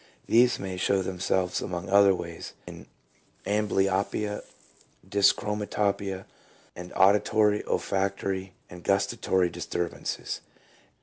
These may show themselves among other ways in amblyopia, dyschromatopia, and auditory, olfactory and gus tatory disturbances.